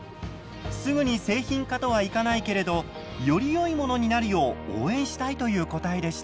すぐに製品化とはいかないけれどよりよいものになるよう応援したいという答えでした。